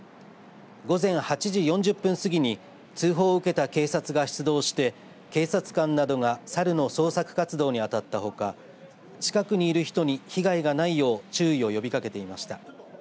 午前８時４０分過ぎに通報を受けた警察が出動して警察官などがサルの捜索活動に当たったほか近くにいる人に被害がないよう注意を呼びかけていました。